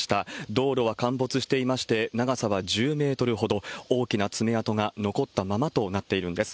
道路は陥没していまして、長さは１０メートルほど大きな爪痕が残ったままとなっているんです。